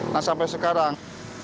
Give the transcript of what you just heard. nah sampai sekarang